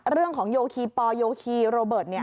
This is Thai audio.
เรื่องของโยคีโปโยคีโรเบิร์ตเนี่ย